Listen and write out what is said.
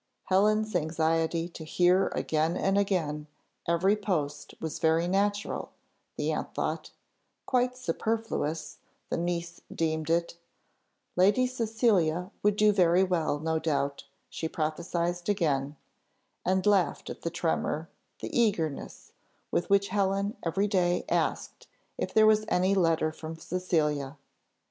Helen's anxiety to hear again and again every post was very natural, the aunt thought; quite superfluous, the niece deemed it: Lady Cecilia would do very well, no doubt, she prophesied again, and laughed at the tremor, the eagerness, with which Helen every day asked if there was any letter from Cecilia.